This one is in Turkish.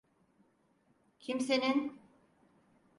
Kimsenin…